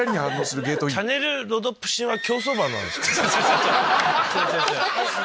チャネルロドプシンは競走馬なんですか？